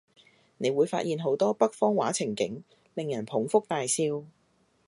你會發現好多北方話情景，令人捧腹大笑